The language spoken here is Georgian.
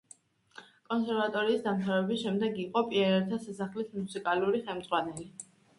კონსერვატორიის დამთავრების შემდეგ იყო პიონერთა სასახლის მუსიკალური ხელმძღვანელი.